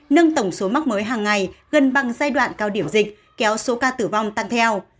nâng tổng số mắc mới hàng ngày gần bằng giai đoạn cao điểm dịch kéo số ca tử vong tăng theo